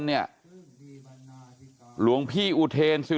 หลวงพี่อุเทนสิ